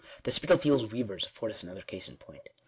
The Spitalfields weavers afford us another case in point.